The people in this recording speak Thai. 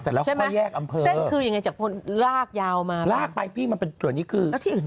ใช่ไหมเส้นคือยังไงจากพลลากยาวมาไปแล้วที่อื่นไม่มีเหรอ